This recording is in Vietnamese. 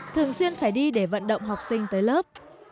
thường xuyên phải đi để vận động học sinh tới lớp